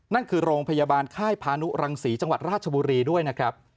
นั่นคือโรงพยาบาลค่ายพานุรังศรีจังหวัดราชบุรีด้วยนะครับ